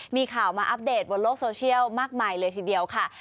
มีข่าวอัพเดตมาหลวงโลกโซเชียลมากไหมเลยทีเดียวค่ะ